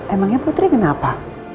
emangnya putri kenapa